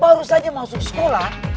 baru saja masuk sekolah